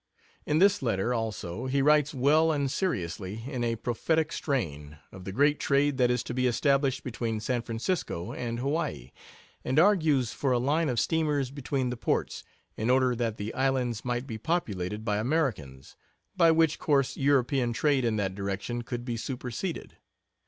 In this letter, also, he writes well and seriously, in a prophetic strain, of the great trade that is to be established between San Francisco and Hawaii, and argues for a line of steamers between the ports, in order that the islands might be populated by Americans, by which course European trade in that direction could be superseded.